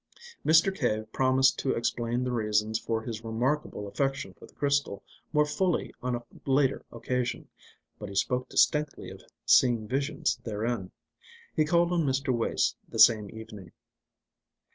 Mr. Cave promised to explain the reasons for his remarkable affection for the crystal more fully on a later occasion, but he spoke distinctly of seeing visions therein. He called on Mr. Wace the same evening.